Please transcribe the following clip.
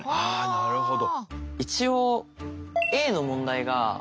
なるほど。